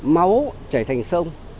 máu chảy thành sông